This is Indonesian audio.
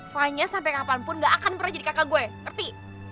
fanya sampai kapanpun gak akan pernah jadi kakak gue ngerti